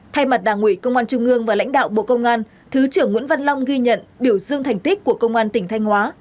thay mặt đảng ủy công an trung ương và lãnh đạo bộ công an thứ trưởng nguyễn văn long ghi nhận biểu dương thành tích của công an tỉnh thanh hóa